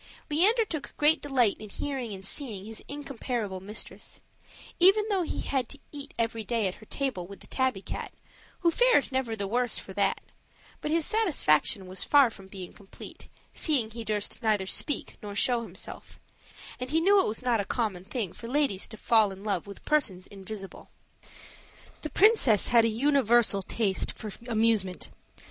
Leander took great delight in hearing and seeing his incomparable mistress; even though he had to eat every day at her table with the tabby cat, who fared never the worse for that; but his satisfaction was far from being complete, seeing he durst neither speak nor show himself; and he knew it was not a common thing for ladies to fall in love with persons invisible. The princess had a universal taste for amusement.